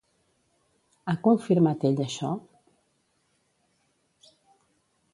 Ha confirmat ell això?